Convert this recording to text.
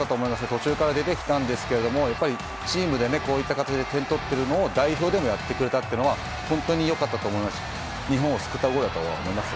途中から出てきたんですがやっぱり、チームでこういった形で点取っているのを代表でもやってくれたというのは本当に良かったと思いますし日本を救ったと思います。